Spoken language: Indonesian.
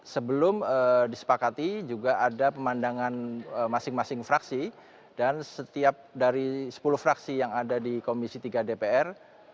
sebelum disepakati juga ada pemandangan masing masing fraksi dan setiap dari sepuluh fraksi yang ada di komisi tiga dpr